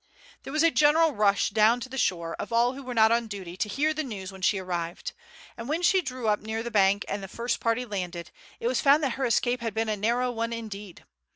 There was a general rush down to the shore of all who were not on duty to hear the news when she arrived; and when she drew up near the bank and the first party landed, it was found that her escape had been a narrow one indeed.